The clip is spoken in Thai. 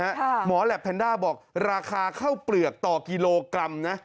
หมอแหลปแพนด้าบอกราคาข้าวเปลือกต่อกิโลกรัมนะ